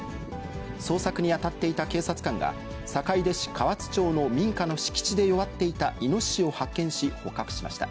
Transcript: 捜索に当たっていた警察官が、坂出市川津町の民家の敷地で弱っていたイノシシを発見し、捕獲しました。